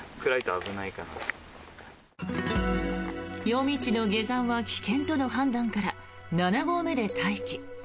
夜道の下山は危険との判断から七合目で待機。